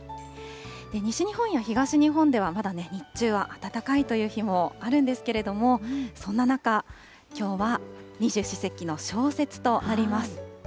西日本や東日本では、まだ日中は暖かいという日もあるんですけれども、そんな中、きょうは二十四節気の小雪となります。